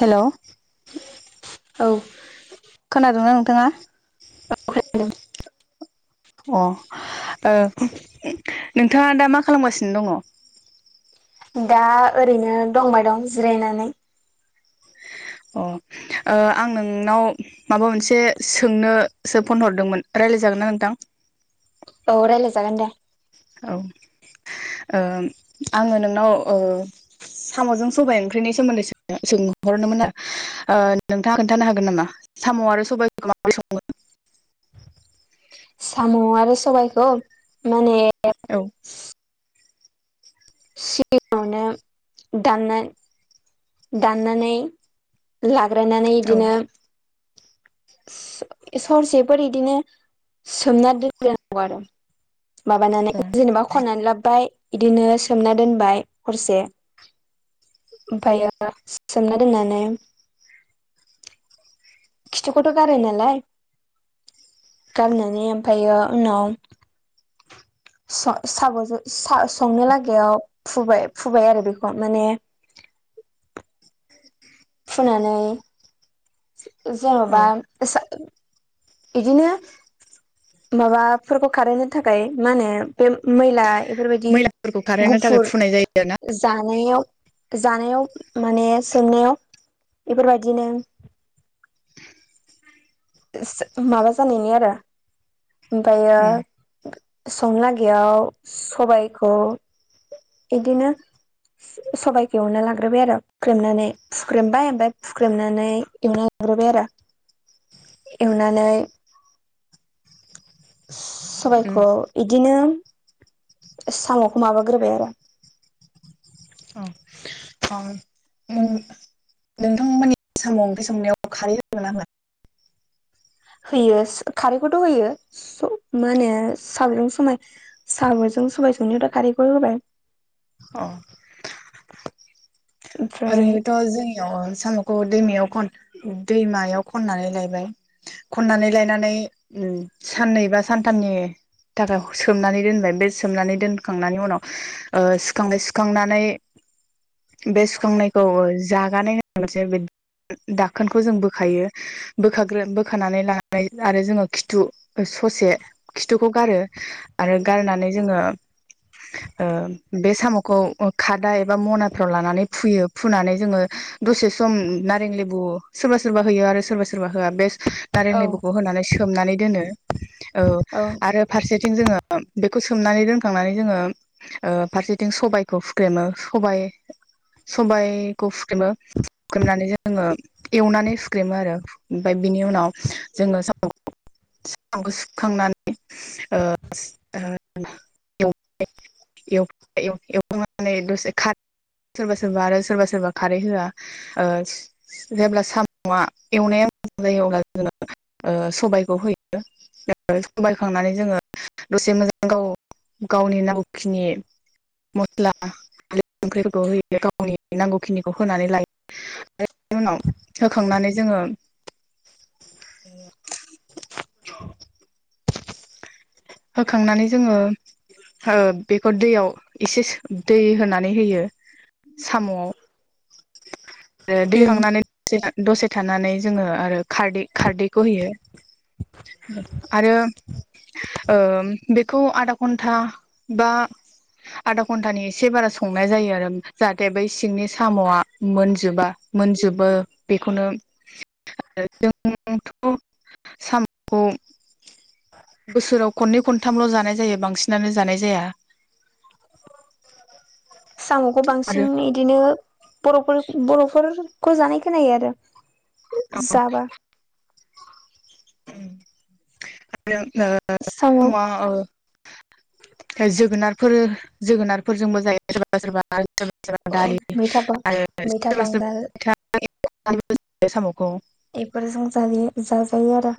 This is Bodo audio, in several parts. हेल'? औ खोनादोंना नोंथाङा? खोनादों अ ओ नोंथाङा दा मा खालामगासिनो दङ? दा ओरैनो दंबाय दं जिरायनानै। अ ओ आं नोंनाव माबा मोनसे सोंनोसो फन हरदोंमोन रायलाय जागोन ना नोंथां? औ रायलायजागोन दे औ ओ आङो नोंनाव ओ साम'जों सबाइ ओंख्रिनि सोमोन्दैसो सोंहरनोमोन नोंथाङा खोनथानो हागोन नामा साम' आरो सबाइखौ माबोरै सङो? साम' आरो सबायखौ माने औ सिगाङावनो दाननाय दाननानै लाग्रोनानै औ बिदिनो [inaudible] सरसेफोर इदिनो सोमना दोन्नांगौ आरो माबानानै औ जेनेबा खननानै लाबोबाय बिदिनो सोमना दोनबाय हरसे ओमफायो सोमना दोननानै खिथुखौथ' गारो नालाय गारनानै ओमफायो उनाव स साबजो सा संनो लागायाव फुबाय फुबाय आरो बेखौ माने फुनानै औ जेन'बा बिदिनो माबाफोरखौ खारहोनो थाखाय मा होनो बे मैला बेफोरबायदि मैलाफोरखौ खारहोनो थाखाय गुफुर फुनाय जायो आरो ना जाथ जानायाव जानायाव माने सोंनायाव बेफोरबायदिनो माबा जानायनि आरो ओमफायो उम संनो लखगैयाव सबायखौ इदिनो सबायखौ एवना लाग्रोबाय आरो खुख्रेमनानै फुख्रेमबाय ओमफ्राय हुख्रेमनानै एवनानै लाग्रोबाय आरो एवनानै उम सबायखौ बिदिनो साम'खौ माबाग्रोबाय आरो [unintelligible] उम नोंथांमोननि साम' ओंख्रि संनायाव खारै होदोंना होया? होयो खारैखौथ' होयो मा होने सावलुं समाव साम'जों सबायजोंनिथ' खारैखौ होबाय औ ओमफ्राय ओरैनोथ' जोंनियाव साम'खौ दैमायाव दैमायाव खननानै लायबाय खननानै लायनानै उम साननै बा सानथामनि थाखाय सोमनानै दोनबाय बे सोमनानै दोनखांनायनि उनाव ओ सुखांबाय सुखांनानै बे सुखांनायखौ जागानाय [unintelligible] दाखोनखौ जों बोखायो बोखाग्रो बोखानानै लानानै आरो जोङो खिथु ससे खिथुखौ गारो आरो गारनानै जोङो बे साम'खौ खादा एबा मनाफ्राव लानानै फुयो फुनानै जोङो दसे सम नारें लेबु सोरबा सोरबा होयो आरो सोरबा सोरबा होआ बे नारें औ लेबुखौ होनानै सोमनानै दोनो औ औ। आरो फारसेथिं जोङो बेखौ सोमनानै दोनखांनानै जोङो फारसेथिं सबायाइखौ फुख्रेमो सबाय सबायखौ सुख्रेमो सुख्रेमनानै जोङो एवनानै सुख्रेमो आरो। ओमफफ्राय बिनि उनाव जोङो साम साम'खौ ओ ओ सुखांनानै एवबाय एव-एव-एवखांनानै दसे खार सोरबा सोरबा आरो सोरबा सोरबा खारै होआ ओ जेब्ला साम'आ एवनाया मोजां जायो अब्ला जोङो सबायखौ होयो। साबाय होखांनानै जोङो दसे मोजां गाव गावनि नांगौखिनि मस्ला होयो ओंख्रिफोरखौ गावनि नांगौखिनिखौ होनानै लायो। ओमफाय बेनि उनाव होखांनानै जोङो होखांनानै जोङो ओ बेखौ दैयाव एसे सो- दै होनानै होयो। साम'आव ओ दै उम होखांनानै दसे थानानै जोङो आरो खारदै खारदैखौ होयो। आरो ओ बेखौ आधा घन्टा बा आधा घन्टानि एसे बारा संनाय जायो आरो जाहाथे बै सिंनि साम'आ मोनजोबा मोनजोबो बेखौनो [unintelligible] जोंथ' साम'खौ बोसोराव खननै खनथामल' जानाय जायो बांसिनानो जानाय जाया। साम'खौ आरो बांसिन इदिनो बर'फोर बर'फोर खौ जानाय खोनो आरो जाबा उम साम' [unintelligible] जोगोनारफोर जोगोनारफोरजोंबो जायो। सोरबा सोरबा सोरबा सोरबा दालि मैथा बा आरो मैथा सोरबा बांगाल सोरबा [unintelligible] साम'खौ इफोरजों जायो जाजायो आरो।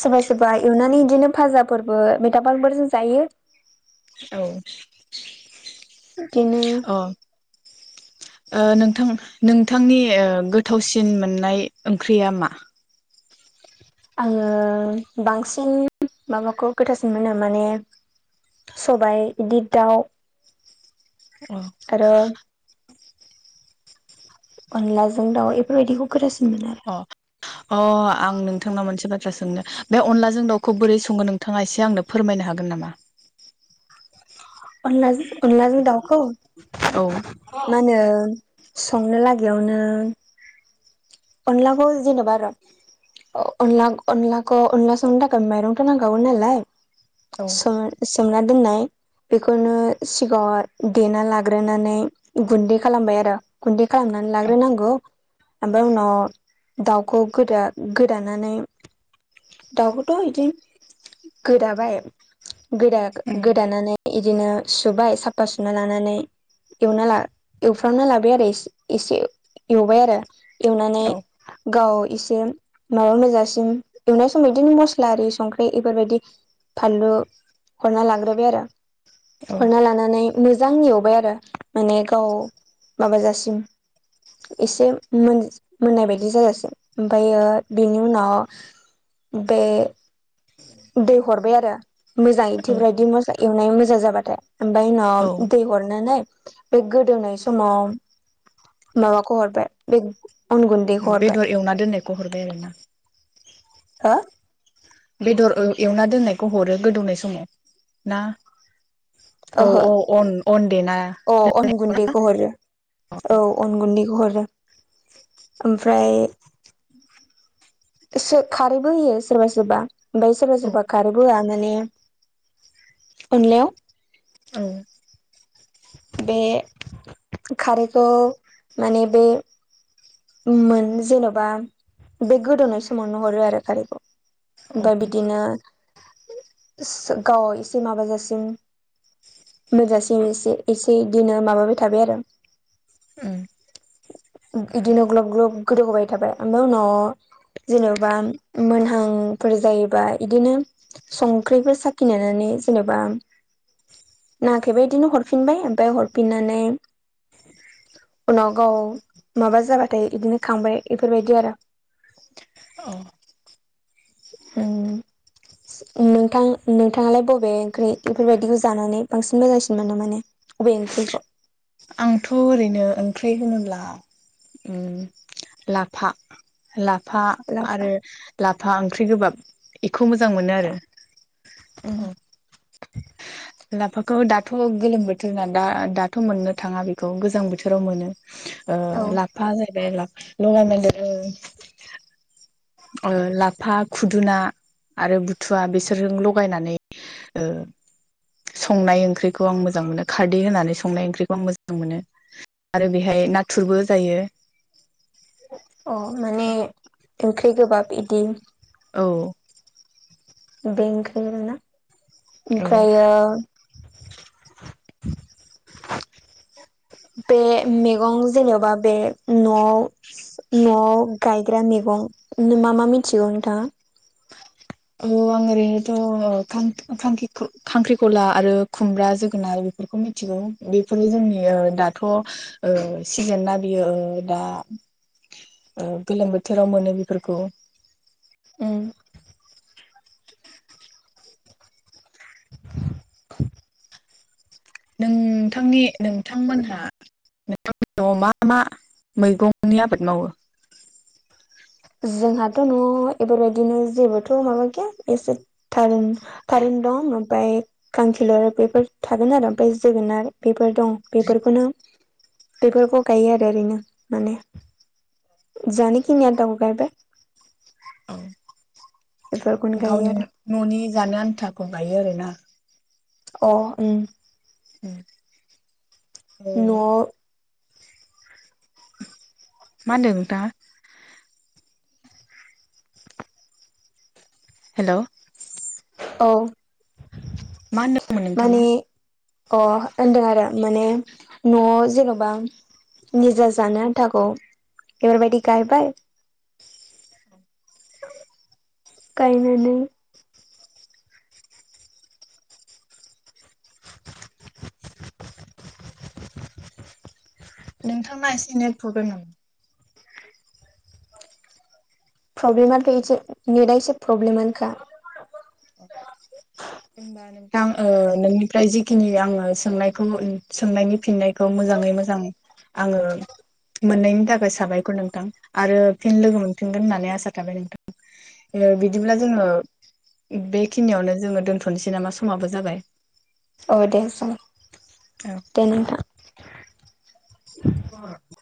सोरबा सोरबा एवनानै इदिनो फाजाफोरबो मैथा फालफोरजों जायो। औ बिदिनो अ ओ नोंथां नोंथांनि गोथावसिन मोननाय ओंख्रिया मा? आङो बांसिन माबाखौ गोथावसिन मोनो माने सबाइ इदिर दाउ अ आरो अनलाजों दाउ इफोरबायदिखौ गोथावसिन मोनो आरो। अ अ आं नोंथांनाव मोनसे बाथ्रा सोंनो बे अनलाजों दाउखौ बोरै सङो नोंथाङा एसे आंनो फोरमायनो हागोन नामा? अनला अनलाजों दाउखौ औ मा होनो संनो लागायावनो अनलाखौ जेन'बा र' अ-अनला अनलाखौ अनला संनो थाखाय मायरंथ' नांखागौ नालाय औ स-सोमना दोननाय बेखौनो सिगाङाव देना लाग्रोनानै गुन्दै खालामबाय आरो। गुन्दै खालामनानै औ लाग्रोनांगौ। ओमफ्राय उनाव दाउखौ गोदा गोदानानै दाउखौथ' इदि गोदाबाय उम गोदा-गोदानानै इदिनो सुबाय साफा सुना लानानै एवना ला एवफ्रामना लाबाय आरो एसे-एसे एवबाय आरो एवनानै औ गाव इसे मा मोनजासिम एवनाय समाव बिदिनो मस्ला आरि संख्रि बेफोरबायदि फानलु हरना लाग्रोबाय आरो औ हरना लानानै मोजां एवबाय आरो माने गाव माबाजासिम एसे मोन मोननाय बायदि जाजासै ओमफ्रायो बेनि उनाव बे दै हरबाय आरो मोजां औ इथिब्रायदि मस्ला एवनाय मोजां जाबाथाय ओमफ्राय उनाव औ दै हरनानै बे गोदौनाय समाव माबाखौ हरबाय बे अन गुन्दैखौ हरबाय बेदर एवना दोननायखौ हरबाय आरोना हो बेदर ओ एवना दोननायखौ हरो गोदौनाय समाव ना औ ओहो औ अन अन देना अ अन दोननाय गुन्दैखौ हरो औ अन गुन्दैखौ हरो ओमफ्राय सो खारैबो होयो सोरबा सोरबा ओमफ्राय सोरबा औ सोरबा खारैबो होआ माने अनलायाव औ बे खारैखौ माने बे मोन जेन'बा बे गोदौनाय समावनो हरो आरो खारैखौ औ ओमफ्राय बिदिनो गाव एसे माबाजासिम मोनजासिम एसे इसे इदिनो माबाबाय थाबाय आरो उम बिदिनो ग्लब ग्लब गोदौहोबाय थाबाय ओमफ्राय उनाव जेन'बा मोनहांफोर जायोबा इदिनो संख्रिफोर साखिनायनानै जेनेबा नाङाखैबा बिदिनो हरफिनबाय ओमफ्राय हरफिननानै उनाव गाव माबा जाबाथाय बिदिनो खांबाय बेफोरबायदि आरो औ उम नोंथां नोंथाङालाय बबे ओंख्रि बेफोरबायदिखौ जानानै बांसिन मोजांसिन मोनो माने‌ अबे ओंख्रिखौ? आंथ' ओरैनो ओंख्रि होनोब्ला उम लाफा लाब फा आरो लाफा लाफा ओंख्रि गोबाब बेखौ मोजां मोनो आरो उम औ लाफाखौ दाथ' गोलोम बोथोर नादा दाथ' मोननो थाङा बेखौ गोजां बोथोराव मोनो ओ औ ला फा जाहैबाय ला लगाय मोनदेर ओ ओ लाफा खुदुना आरो बुथुवा बेसोरजों लगायनानै ओ संनाय ओंख्रिखौ आं मोजां मोनो खारदै होनानै संनाय ओंख्रि खौ आं मोजां मोनो आरो बेहाय नाथुरबो होजायो अ माने ओंख्रि गोबाब इदि औ बेंक्रिमोनना औ ओमफ्रायो बे मैगं जेनेबा बे न'आव न'आव गायग्रा मैगं नि मा मा मिथिगौ नोंथाङा औ आं ओरैनोथ' खांख्रि खां-खांख्रिखला आरो खुमब्रा, जोगोनार बेखौ मिथिगौ बेफोरो जोंनि ओ दाथ' ओ सिजेनना बियो ओ दा ओ गोलोम बोथोराव मोनो बेफोरखौ उम नोंथांनि नोंथांमोनहा नोंथांनि न'आव मा मा मैगंनि आबाद मावो? जोंहाथ' न'आव बेफोरबायदिनो जेबोथ' माबा गैया एसे थारुन थारुन दं ओमफाय खांखिलर बेफोर थागोन आरो ओमफाय जोगोनार बेफोर दं बेफोरखौनो बेफोरखौ गायो आरो ओरैनो माने जानोखिया गाव गायबाय औ बेफोरखौनो गायो गावनि आरो न'नि जानो आन्थाखौ गायो आरोना? औ उम उम न'आव मा होनदों नोंथांहा हेलौ औ मा होनदोंमोन नोंथाङा माने अ होनदों आरो माने न'आव जेन'बा निजा जानो आन्थाखौ एबारबायदि गायबाय, गायनो नोंथाङा एसे नेट प्रब्लेम नामा? प्रब्लेमानोथ' एसे नेटआसे प्रब्लेमानोखा, होमबा नोंथां ओ नोंनिफ्राय जिखिनि आङो सोंनायखौ सोंनायनि फिननायखौ मोजाङै मोजां आङो मोननायनि थाखाय साबायखर नोंथां आरो फिन लोगो मोनफिनगोन होननानै आसा थाबाय नोंथां। बिदिब्ला जोङो बेखिनियावनो जोङो दोनथ'नोसै नामा? समाबो जाबाय। औ दे सं औ दे नोथा [unintelligible]